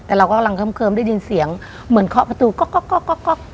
แต่เราก็กำลังเคิมเคิมได้ยินเสียงเหมือนเคราะห์ประตูก็ก็ก็ก็ก็ก็